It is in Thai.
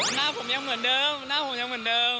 หน้าผมยังเหมือนเดิมหน้าผมยังเหมือนเดิม